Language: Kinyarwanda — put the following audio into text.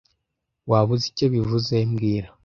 Waba uzi icyo bivuze mbwira